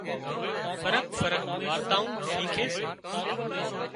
فرق فرق وارتائون شيکي سي